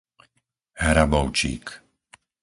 Hrabovčík